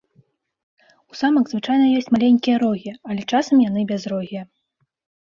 У самак звычайна ёсць маленькія рогі, але часам яны бязрогія.